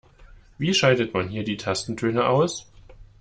Wie schaltet man hier die Tastentöne aus?